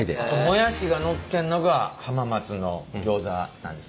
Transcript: もやしがのってんのが浜松のギョーザなんですね。